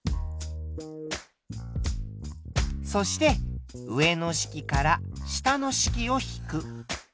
そして上の式から下の式を引く。